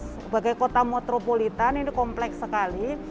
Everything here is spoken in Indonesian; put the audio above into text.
sebagai kota metropolitan ini kompleks sekali